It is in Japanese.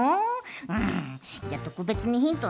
うんじゃあとくべつにヒントね。